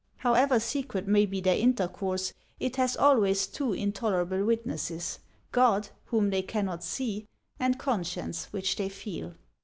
However secret may be their intercourse, it has always two in tolerable witnesses, — God, whom they cannot see, and conscience, which they feel.